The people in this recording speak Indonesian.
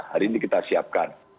hari ini kita siapkan